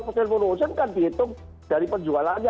sales promotion kan dihitung dari penjualannya